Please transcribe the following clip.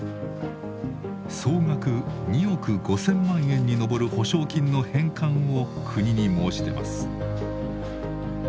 総額２億５，０００万円に上る補償金の返還を国に申し出ます。